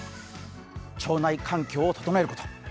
腸内環境を整えること。